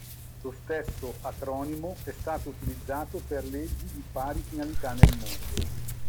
Lo stesso acronimo è stato utilizzato per leggi di pari finalità nel mondo.